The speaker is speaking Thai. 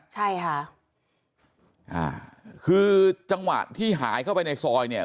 ใช่ค่ะอ่าคือจังหวะที่หายเข้าไปในซอยเนี่ย